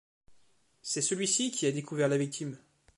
C'est celui-ci qui a découvert la victime.